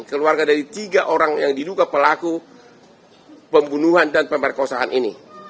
keluarga dari tiga orang yang diduga pelaku pembunuhan dan pemerkosaan ini